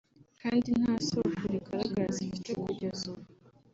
kandi nta soko rigaragara zifite kugeza ubu